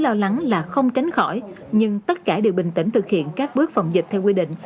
lo lắng là không tránh khỏi nhưng tất cả đều bình tĩnh thực hiện các bước phòng dịch theo quy định